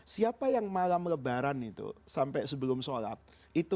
siapa yang malam lebaran itu